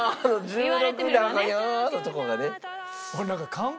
「１６だから」のとこがね。